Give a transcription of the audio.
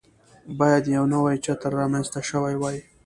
باید یو نوی چتر رامنځته شوی وای.